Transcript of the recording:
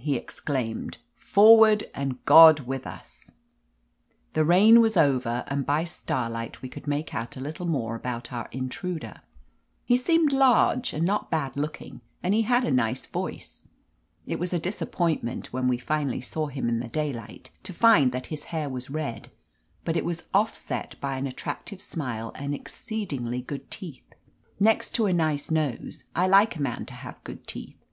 he exclaimed. "Forward, and God with us !" 309 THE AMAZING ADVENTURES The rain was over, and by the starlight we could make out a little more about our in truder. He seemed large and not bad looking, and he had a nice voice. ( It was a disappoint ment, when we finally saw him in the daylight, to find that his hair was red, but it was offset by an attractive smile and exceedingly good teeth. Next to a nice nose, I like a man to have good teeth.)